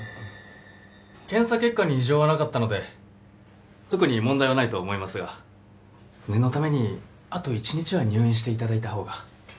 検査結果に異常はなかったので特に問題はないと思いますが念のためにあと１日は入院していただいた方が。